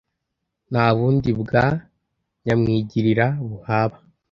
nta bundi bwa nyamwigirira buhaba,